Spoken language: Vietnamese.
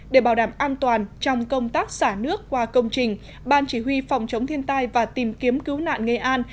để bảo đảm an toàn trong công tác xả nước qua công trình ban chỉ huy phòng chống thiên tai và tìm kiếm cứu nạn nghệ an